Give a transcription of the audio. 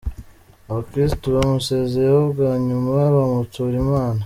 Abakirisitu bamusezeyeho bwa nyuma bamutura Imana.